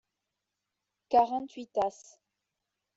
Quarante-huit tasses.